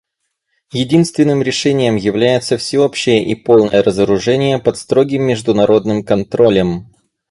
Единственным решением является всеобщее и полное разоружение под строгим международным контролем.